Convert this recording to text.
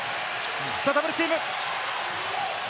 さぁ、ダブルチーム。